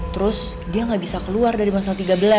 terus dia gak bisa keluar dari bangsa tiga belas